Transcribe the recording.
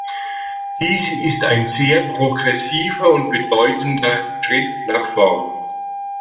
Dies ist ein sehr progressiver und bedeutender Schritt nach vorn.